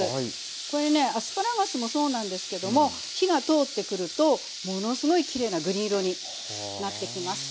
これねアスパラガスもそうなんですけども火が通ってくるとものすごいきれいなグリーン色になってきます。